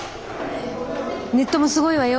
ネットもすごいわよ